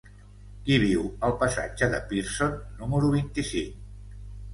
Qui viu al passatge de Pearson número vint-i-cinc?